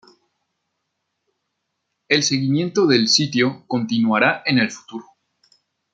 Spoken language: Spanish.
El seguimiento del sitio continuará en el futuro.